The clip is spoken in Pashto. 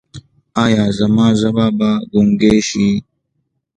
ایا زما ژبه به ګونګۍ شي؟